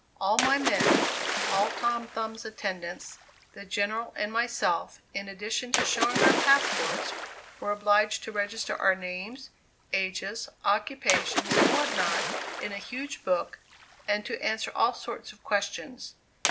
All my men, all Tom Thumb's attendants, the General and myself, in addition to showing our passports, were obliged to register our names, ages, occupations, and what not, in a huge book, and to answer all sorts of questions.